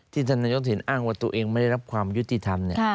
ท่านนายกเห็นอ้างว่าตัวเองไม่ได้รับความยุติธรรม